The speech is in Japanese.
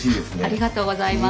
ありがとうございます。